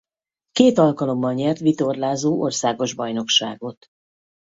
Két alkalommal nyert vitorlázó országos bajnokságot.